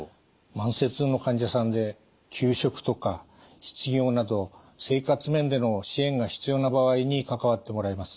慢性痛の患者さんで休職とか失業など生活面での支援が必要な場合に関わってもらいます。